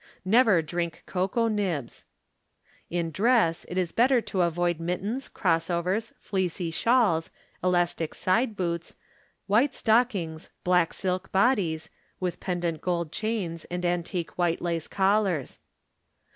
Never drink cocoa nibs. In dress it is better to avoid Mittens, Crossovers, Fleecy Shawls, Elastic side Boots, White Stockings, Black Silk Bodies, with Pendent Gold Chains, and Antique White Lace Collars.